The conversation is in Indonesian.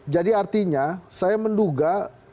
jadi artinya saya menduga